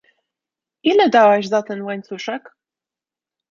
Ile dałaś za ten łańcuszek?